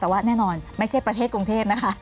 แต่ว่าแน่นอนไม่ใช่ประเทศกรุงเทพนะคะ